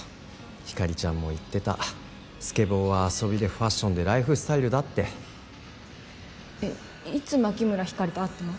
ひかりちゃんも言ってたスケボーは遊びでファッションでライフスタイルだってえっいつ牧村ひかりと会ったの？